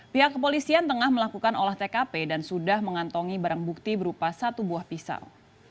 pihak kepolisian tengah melakukan olah tkp dan sudah mengantongi barang bukti berupa satu buah pisau